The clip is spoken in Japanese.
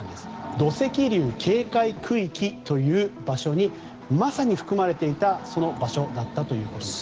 土石流警戒区域という場所にまさに含まれていたその場所だったということです。